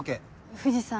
藤さん